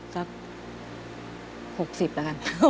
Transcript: ก็๖๐แล้วกัน